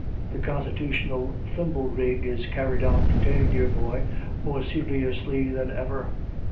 The constitutional thimble rig is carried on to day, dear boy, more seriously than ever.